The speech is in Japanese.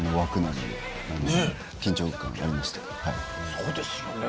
そうですよね。